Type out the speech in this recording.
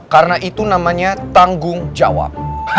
karena itu namanya tanggung jawab